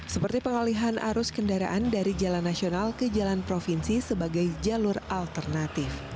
seperti pengalihan arus kendaraan dari jalan nasional ke jalan provinsi sebagai jalur alternatif